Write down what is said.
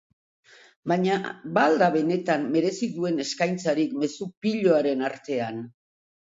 Baina, ba al da benetan merezi duen eskaintzarik mezu piloaren artean?